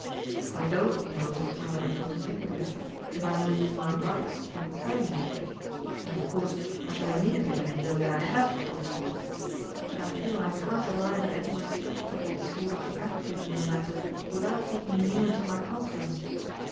I don't know, now that I come to think of it, if I'm within my rights in telling you and of course I shall immediately let him know that I HAVE told you; but I feel I can't arrive at any respectable sort of attitude in the matter without taking you into my confidence.